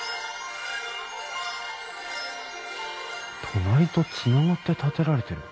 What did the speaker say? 隣とつながって建てられてる。